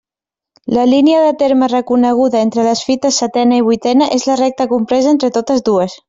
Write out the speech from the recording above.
La línia de terme reconeguda entre les fites setena i vuitena és la recta compresa entre totes dues.